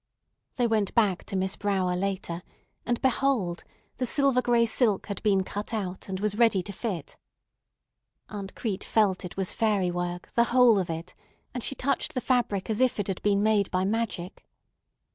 They went back to Miss Brower later; and behold! the silver gray silk had been cut out, and was ready to fit. Aunt Crete felt it was fairy work, the whole of it, and she touched the fabric as if it had been made by magic.